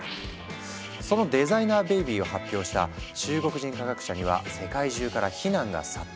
そのデザイナーベビーを発表した中国人科学者には世界中から非難が殺到。